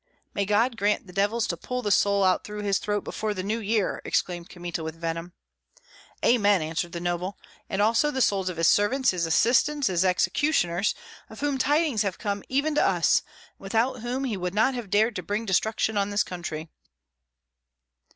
"May God grant the devils to pull the soul out through his throat before the New Year!" exclaimed Kmita, with venom. "Amen!" answered the noble, "and also the souls of his servants, his assistants, his executioners, of whom tidings have come even to us, and without whom he would not have dared to bring destruction on this country."